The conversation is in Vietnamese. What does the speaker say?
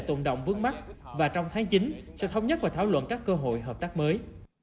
tồn động vướng mắt và trong tháng chín sẽ thống nhất và thảo luận các cơ hội hợp tác mới